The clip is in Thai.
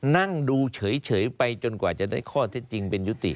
นั่งดูเฉยไปจนกว่าจะได้ข้อเท็จจริงเป็นยุติ